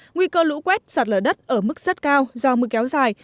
nguy cơ lũ quét sạt lở đất ở mức rất cao do mưa kéo dài